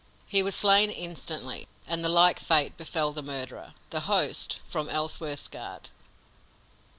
He was slain instantly, and the like fate befell the murderer, the host, from Ellsworth's guard.